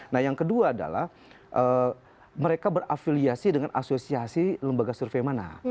nah yang kedua adalah mereka berafiliasi dengan asosiasi lembaga survei mana